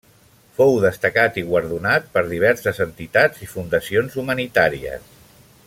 Fou destacat i guardonat per diverses entitats i fundacions humanitàries.